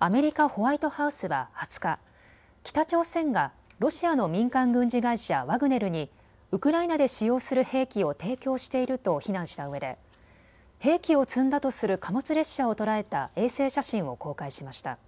アメリカ・ホワイトハウスは２０日、北朝鮮がロシアの民間軍事会社、ワグネルにウクライナで使用する兵器を提供していると非難したうえで兵器を積んだとする貨物列車を捉えた衛星写真を公開しました。